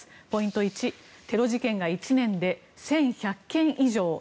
ポイント１、テロ事件が１年で１１００件以上。